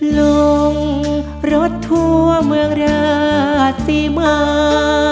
ลงรถทั่วเมืองราชสีมา